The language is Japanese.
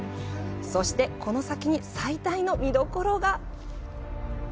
そして、この先に最大の見どころが！